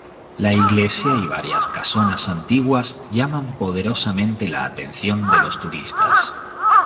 La iglesia y varias casonas antiguas llaman poderosamente la atención de los turistas.